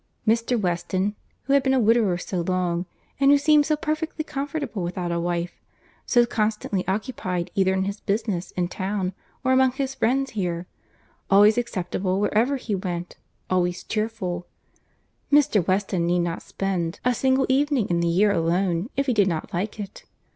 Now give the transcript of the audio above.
Mr. Weston, who had been a widower so long, and who seemed so perfectly comfortable without a wife, so constantly occupied either in his business in town or among his friends here, always acceptable wherever he went, always cheerful—Mr. Weston need not spend a single evening in the year alone if he did not like it.